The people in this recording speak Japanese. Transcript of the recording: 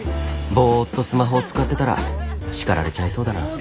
ボーっとスマホを使ってたら叱られちゃいそうだな。